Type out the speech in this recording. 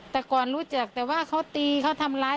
แต่ก่อนรู้จักแต่ว่าเขาตีเขาทำร้าย